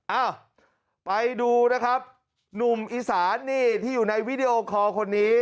เอ้าไปดูนะครับหนุ่มอีสานนี่ที่อยู่ในวิดีโอคอร์คนนี้